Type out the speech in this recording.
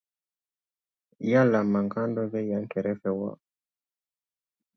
Yala magan dɔ bɛ yan kɛrɛfɛ wa?